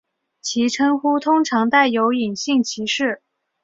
其称呼通常带有隐性歧视。